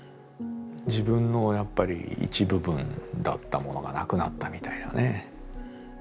自分のやっぱり一部分だったものがなくなったみたいなね。